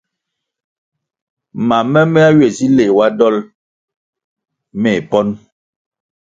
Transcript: Mam momehya ywe si leh ywa dol meh ponʼ.